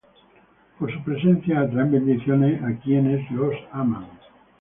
Por su presencia, atraen bendiciones a quienes los aman.